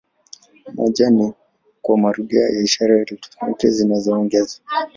Moja ni kwa marudio ya ishara za elektroniki zinazoongezwa.